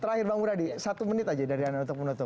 terakhir bang muradi satu menit aja dari anak notok munotok